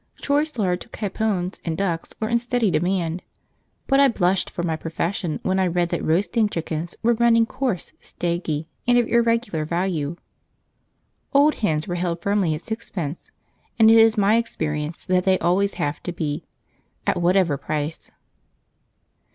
Choice large capons and ducks were in steady demand, but I blushed for my profession when I read that roasting chickens were running coarse, staggy, and of irregular value. Old hens were held firmly at sixpence, and it is my experience that they always have to be, at whatever price.